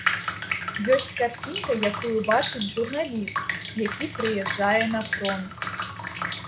Ёсць карцінка, якую бачыць журналіст, які прыязджае на фронт.